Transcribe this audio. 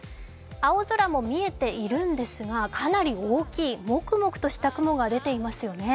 青空も見えているんですがかなり大きい、もくもくとした雲が出ていますよね。